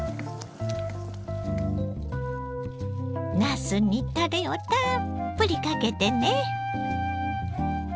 なすにたれをたっぷりかけてね。